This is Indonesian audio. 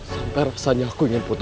sampai rasanya aku ingin putus